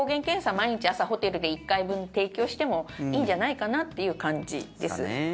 毎日朝ホテルで１回分提供してもいいんじゃないかなという感じです。